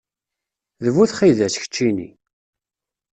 D bu txidas, keččini!